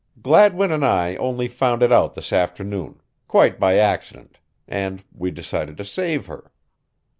Gladwin and I only found it out this afternoon quite by accident. And we decided to save her."